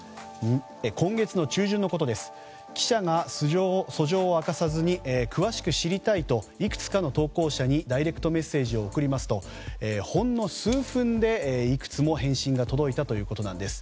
今月中旬、記者が素性を明かさず詳しく知りたいといくつかの投稿者にダイレクトメッセージを送りますと、ほんの数分でいくつも返信が届いたということです。